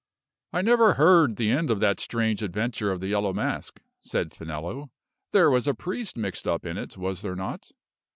"I never heard the end of that strange adventure of the Yellow Mask," said Finello. "There was a priest mixed up in it, was there not?"